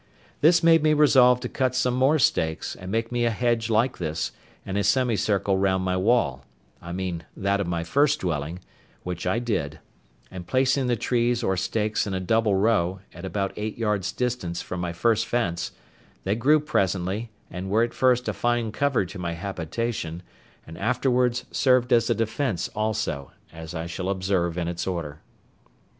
This made me resolve to cut some more stakes, and make me a hedge like this, in a semi circle round my wall (I mean that of my first dwelling), which I did; and placing the trees or stakes in a double row, at about eight yards distance from my first fence, they grew presently, and were at first a fine cover to my habitation, and afterwards served for a defence also, as I shall observe in its order.